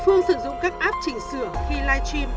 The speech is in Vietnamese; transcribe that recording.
phương sử dụng các app chỉnh sửa khi livestream